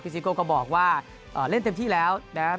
ซิโก้ก็บอกว่าเล่นเต็มที่แล้วนะครับ